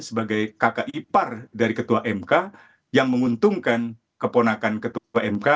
dan yang dipercaya sebagai kakak ipar dari ketua mk yang menguntungkan keponakan ketua mk